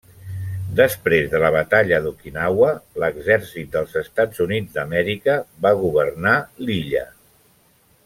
Després de la batalla d'Okinawa, l'exèrcit dels Estats Units d'Amèrica va governar l'illa.